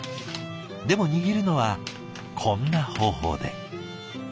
でも握るのはこんな方法で。